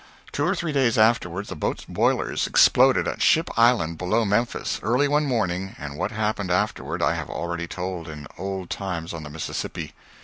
Two or three days afterward the boat's boilers exploded at Ship Island, below Memphis, early one morning and what happened afterward I have already told in "Old Times on the Mississippi."